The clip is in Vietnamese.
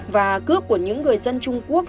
và cướp của những người dân trung quốc